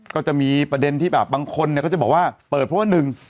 ก็จะมีประเด็นที่แบบบางคนเนี่ยก็จะบอกว่าเปิดเพราะว่าหนึ่ง